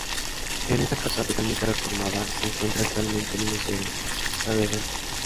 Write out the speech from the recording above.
En esta casa, totalmente reformada, se encuentra actualmente el Museo Saavedra.